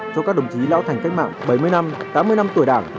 cho các đồng chí lão thành cách mạng bảy mươi năm tám mươi năm tuổi đảng